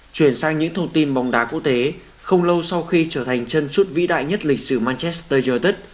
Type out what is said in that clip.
chuyển sang những thông tin bóng đá quốc tế không lâu sau khi trở thành chân trút vĩ đại nhất lịch sử manchester united